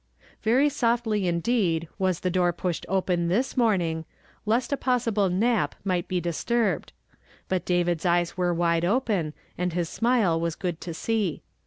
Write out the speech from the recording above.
Very softly imleed was the door i,ushed open this morning, lest a possible nap might be dis turbed ; but David's eyes were wide open and his smile was good to see.